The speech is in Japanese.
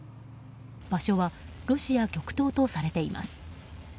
場所はロシア極東とされています。